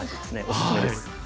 おすすめです。